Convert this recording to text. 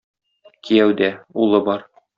Кияүдә, улы бар.